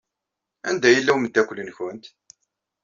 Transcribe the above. Anda yella umeddakel-nwent?